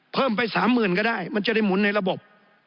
เพิ่มไปสามหมื่นก็ได้มันจะได้หมุนในระบบ